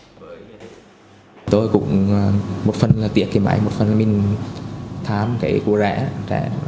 chỉ tính riêng những tháng đầu năm hai nghìn một mươi chín công an quận liên triều đã tiếp nhận